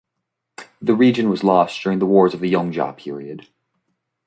The region was lost during the wars of the Yongjia period.